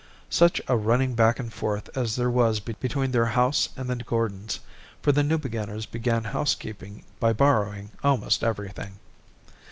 Such a running back and forth as there was between their house and the Gordons'; for the Newbeginners began housekeeping by borrowing almost everything.